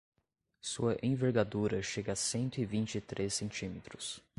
Sua envergadura chega a cento e vinte e três centímetros